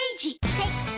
はい。